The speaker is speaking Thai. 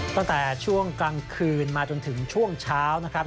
ตั้งแต่ช่วงกลางคืนมาจนถึงช่วงเช้านะครับ